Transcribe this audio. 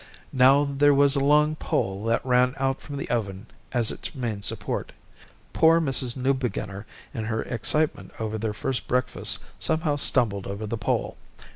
Now there was a long pole that ran out from the oven as its main support. Poor Mrs. Newbeginner in her excitement over their first breakfast somehow stumbled over the pole.